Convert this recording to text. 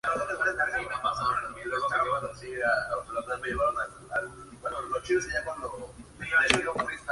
Prácticamente un territorio bastante similar al de la actual Albania moderna.